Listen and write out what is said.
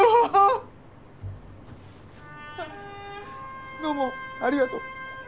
あっどうもありがとう。